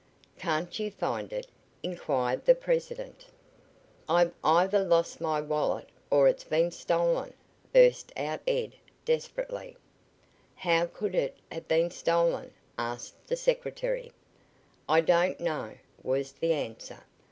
"Can't you find it?" inquired the president. "I've either lost my wallet, or it's been stolen!" burst out Ed desperately. "How could it have been stolen?" asked the secretary. "I don't know," was the answer.